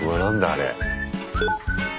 あれ。